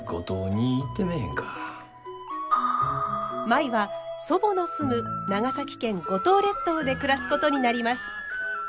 舞は祖母の住む長崎県五島列島で暮らすことになります。